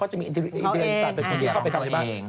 ดีแต่ละคนเขาจะมีอินเตรียมสาธารณ์สังเกตเข้าไปทำอะไรบ้าง